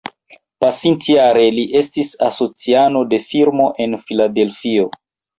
Pasintjare, li estis asociano de firmo en Filadelfio.